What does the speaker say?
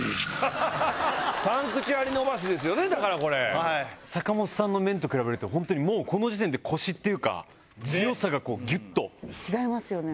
ですよねだからこれはい坂本さんの麺と比べるとホントにもうこの時点でコシっていうか強さがこうギュッと違いますよね